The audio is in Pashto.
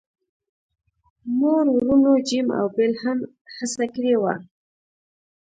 مور وروڼو جیم او بیل هم هڅه کړې وه